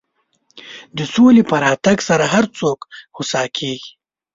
د سولې په راتګ سره هر څوک هوسا کېږي.